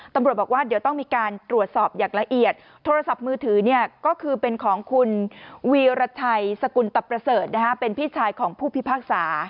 ตำรวจบอกว่าเดี๋ยวต้องมีการตรวจสอบอย่างละเอียดโทรศัพท์มือถือก็คือเป็นของคุณวีรชัยสกุลตะประเสริฐเป็นพี่ชายของผู้พิพากษา